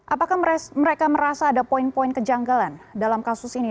apakah mereka merasa ada poin poin kejanggalan dalam kasus ini